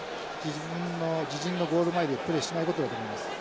自陣のゴール前でプレーしないことだと思います。